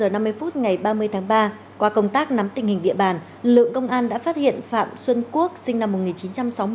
ngày ba mươi tháng ba qua công tác nắm tình hình địa bàn lượng công an đã phát hiện phạm xuân quốc sinh năm một nghìn chín trăm sáu mươi sáu